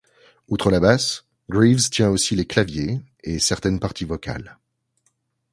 Outre la basse, Greaves tient aussi les claviers et certaines parties vocales.